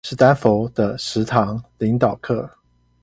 史丹佛的十堂領導課